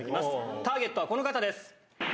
ターゲットはこの方です。